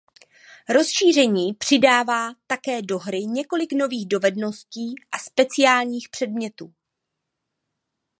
Rozšíření přidává také do hry několik nových dovedností a speciálních předmětů.